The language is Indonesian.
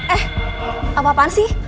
eh apa apaan sih